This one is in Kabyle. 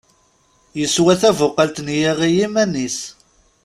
Yeswa tabuqalt n yiɣi iman-is.